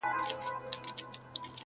اور يې وي په سترگو کي لمبې کوې.